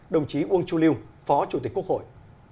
đồng chí uông chu liêu phó chủ tịch quốc hội